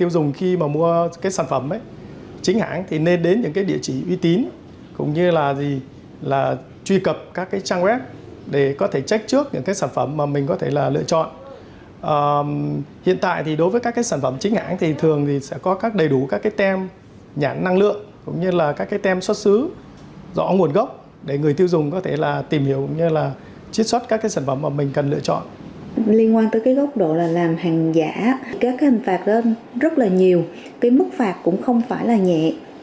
liên quan tới gốc độ làm hàng giả các hành phạt rất nhiều mức phạt cũng không phải nhẹ